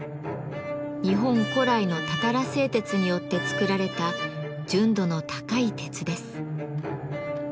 日本古来のたたら製鉄によって作られた純度の高い鉄です。